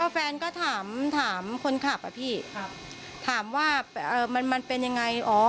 แฟนก็ถามถามคนขับอ่ะพี่ครับถามว่าเอ่อมันมันเป็นยังไงอ๋อ